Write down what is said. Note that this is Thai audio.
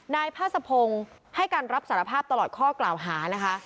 นายพาสะพงศ์ให้การรับสารภาพตลอดข้อกล่าวหานะคะ